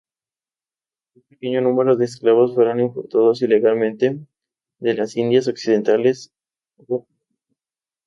Un pequeño número de esclavos fueron importados ilegalmente de las Indias Occidentales o África.